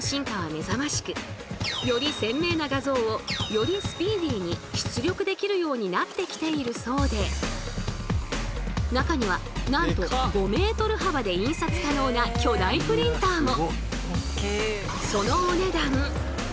そう今の主流は出力できるようになってきているそうで中にはなんと５ｍ幅で印刷可能な巨大プリンターも！